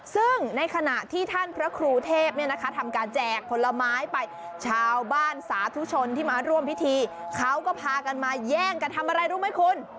ซึ่งในขณะที่ท่านพระครูเทพเนี่ยนะคะทำการแจกผลไม้ไปชาวบ้านสาธุชนที่มาร่วมพิธีเขาก็พากันมาแย่งกันทำอะไรรู้ไหมคุณ